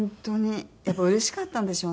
やっぱうれしかったんでしょうね。